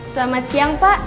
selamat siang pak